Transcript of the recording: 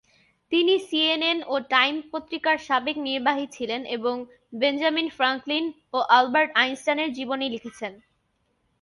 তিনি সিএনএন ও টাইম পত্রিকার সাবেক নির্বাহী ছিলেন এবং বেঞ্জামিন ফ্রাঙ্কলিন ও আলবার্ট আইনস্টাইনের জীবনী লিখেছেন।